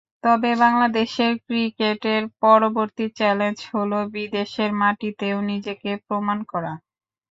তবে বাংলাদেশের ক্রিকেটের পরবর্তী চ্যালেঞ্জ হলো, বিদেশের মাটিতেও নিজেদের প্রমাণ করা।